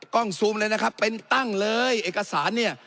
ซูมเลยนะครับเป็นตั้งเลยเอกสารเนี่ย